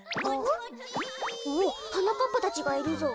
・おっはなかっぱたちがいるぞ。